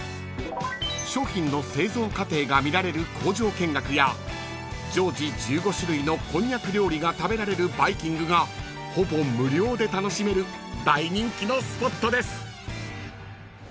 ［商品の製造過程が見られる工場見学や常時１５種類のこんにゃく料理が食べられるバイキングがほぼ無料で楽しめる大人気のスポットです］